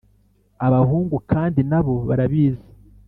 Abahungu kandi na bo barabizi